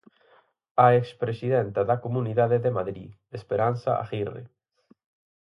A expresidenta da Comunidade de Madrid, Esperanza Aguirre.